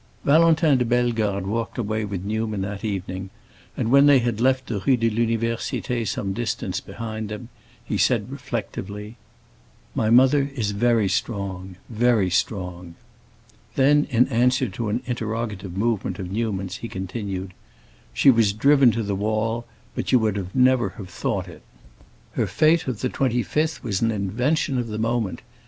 Valentin de Bellegarde walked away with Newman that evening, and when they had left the Rue de l'Université some distance behind them he said reflectively, "My mother is very strong—very strong." Then in answer to an interrogative movement of Newman's he continued, "She was driven to the wall, but you would never have thought it. Her fête of the 25th was an invention of the moment.